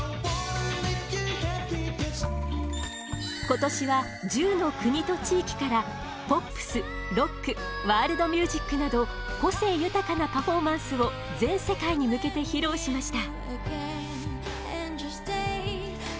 今年は１０の国と地域からポップスロックワールドミュージックなど個性豊かなパフォーマンスを全世界に向けて披露しました。